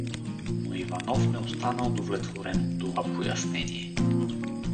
Но Иванов не остана удовлетворен от това пояснение.